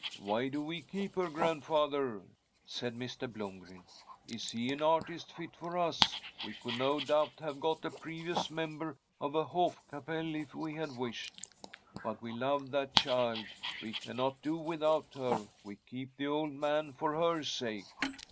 ' Why do we keep her grandfather ?' said Mr. Blomgren. 'Is he an artist fit for us? We could, no doubt, have got a previous member of a Hofkapell if we had wished. But we love that child; we cannot do without her; we keep the old man for her sake.'